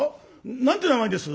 何て名前です？」。